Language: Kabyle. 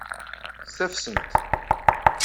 Ssafessen-t.